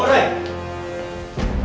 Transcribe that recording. kelar apa lu